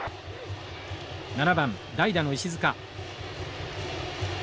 ７番代打の石塚。